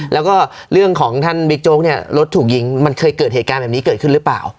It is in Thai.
แล้วก็เรื่องของท่านบิ๊กโจ๊กเนี่ยรถถูกยิงมันเคยเกิดเหตุการณ์แบบนี้เกิดขึ้นหรือเปล่า